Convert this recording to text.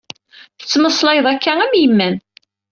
Tettmeslayeḍ akka am yemma-m.